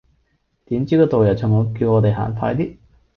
點知個導遊仲叫我哋行快啲